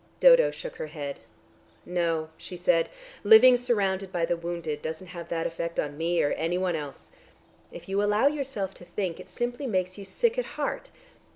Dodo shook her head. "No," she said. "Living surrounded by the wounded doesn't have that effect on me or anyone else. If you allow yourself to think, it simply makes you sick at heart.